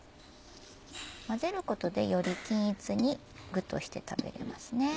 混ぜることでより均一に具として食べれますね。